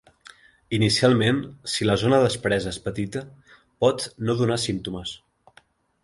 Inicialment, si la zona despresa és petita, pot no donar símptomes.